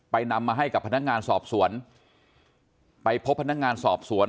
ไปนำมาให้กับภานค์งานสอบสวนไปพบภานค์งานสอบสวน